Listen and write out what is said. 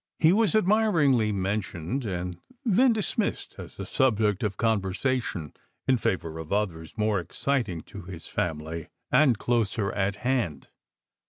He was admiringly mentioned, and then dismissed as a subject of conversation in favour of others more exciting to his family and closer at hand.